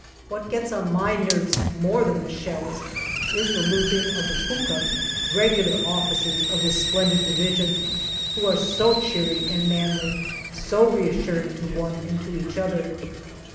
What gets on my nerves more than shells is the losing of the " pukka " regular officers of this splendid Division, who are so cheery and manly, so reassuring to one and to each other.